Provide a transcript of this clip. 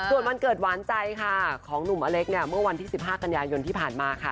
ส่วนวันเกิดหวานใจค่ะของหนุ่มอเล็กเนี่ยเมื่อวันที่๑๕กันยายนที่ผ่านมาค่ะ